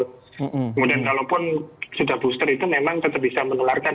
kemudian kalaupun sudah booster itu memang tetap bisa menularkan